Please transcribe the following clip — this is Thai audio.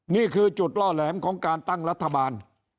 นี่คือจุดล่อแหลมของการตั้งรัฐบาล